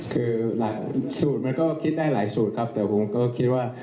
คือหลายสูตรมันก็คิดได้หลายสูตรครับแต่ผมก็คิดว่า